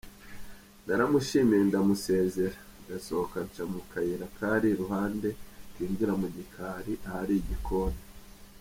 Naramushimiye ndamusezera, ndasohoka nca mu kayira kari iruhande kinjira mu gikari ahari igikoni.